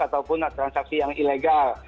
ataupun transaksi yang ilegal